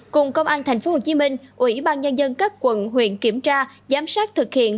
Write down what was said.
cùng công an tp hcm ủy ban nhân dân các quận huyện kiểm tra giám sát thực hiện